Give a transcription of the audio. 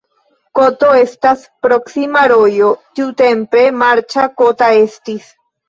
Koto estas proksima rojo, tiutempe marĉa, kota estis.